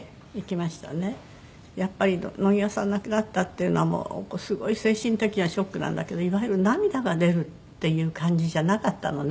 亡くなったっていうのはもうすごい精神的にはショックなんだけどいわゆる涙が出るっていう感じじゃなかったのね。